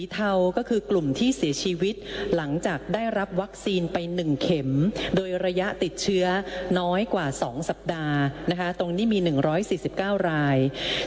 ผู้ที่เสียชีวิตได้รับวัคซีนเกิน๒อาทิตย์